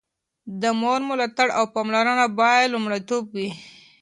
د مور ملاتړ او پاملرنه باید لومړیتوب وي.